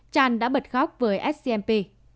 chan đã bật khóc với scmp